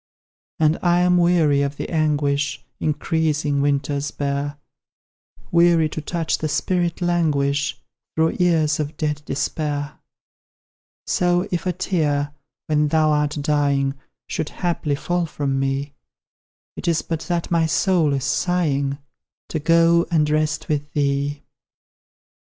And I am weary of the anguish Increasing winters bear; Weary to watch the spirit languish Through years of dead despair. So, if a tear, when thou art dying, Should haply fall from me, It is but that my soul is sighing, To go and rest with thee.